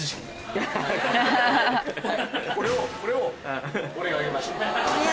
これをこれを俺が上げました。